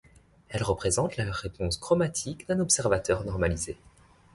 Elles représentent la réponse chromatique d'un observateur normalisé.